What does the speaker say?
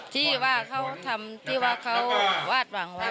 ที่ว่าเขาทำที่ว่าเขาวาดหวังไว้